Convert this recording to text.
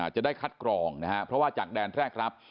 จะได้คัดกรองนะฮะเพราะว่าจากแดนแรกรับ